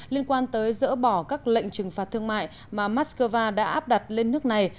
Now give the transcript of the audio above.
liên quan tới dỡ bỏ các lệnh trừng phạt thương mại mà moscow đã áp đặt lên nước này